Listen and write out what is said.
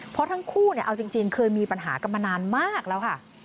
เพราะทั้งคู่เนี่ยเอาจริงเคยมีปัญหากันมานานมากแล้วค่ะ